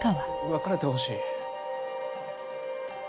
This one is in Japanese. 別れてほしい。